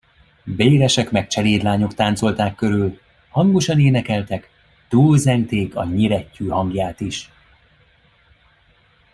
Béresek meg cselédlányok táncolták körül, hangosan énekeltek, túlzengték a nyirettyű hangját is.